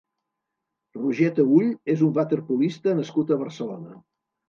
Roger Tahull és un waterpolista nascut a Barcelona.